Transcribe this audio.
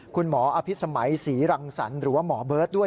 อภิษมัยศรีรังสรรค์หรือว่าหมอเบิร์ตด้วย